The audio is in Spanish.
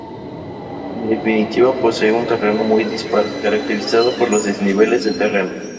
En definitiva, posee un terreno muy dispar, caracterizado por los desniveles del terreno.